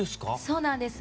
そうなんです。